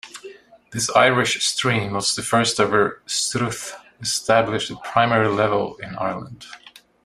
This Irish stream was the first ever 'Sruth' established at primary level in Ireland.